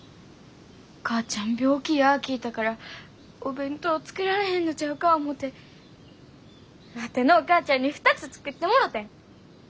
お母ちゃん病気や聞いたからお弁当作られへんのちゃうか思てワテのお母ちゃんに２つ作ってもろてん。